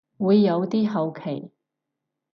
會有啲好奇